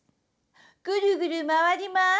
ぐるぐるまわりまーす。